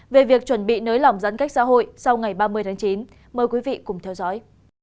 về việc chuẩn bị nới lỏng giãn cách xã hội sau ngày ba mươi tháng chín mời quý vị cùng theo dõi